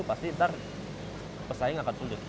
pasti ntar persaingan akan sulit